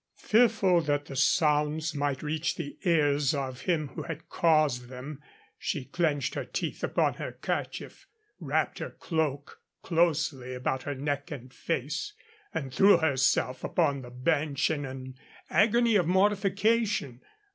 Fearful that the sounds might reach the ears of him who had caused them, she clenched her teeth upon her kerchief, wrapped her cloak closely about her neck and face, and threw herself upon the bench in an agony of mortification.